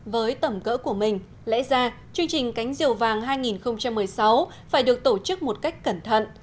với tầm cỡ của mình lẽ ra chương trình cánh diều vàng hai nghìn một mươi sáu phải được tổ chức một cách cẩn thận